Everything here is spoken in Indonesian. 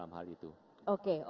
dan asean juga akan berhasil